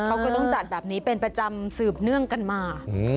เขาก็ต้องจัดแบบนี้เป็นประจำสืบเนื่องกันมา